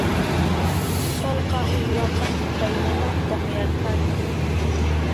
Sallqa uywaqa payllamanta mirarparin.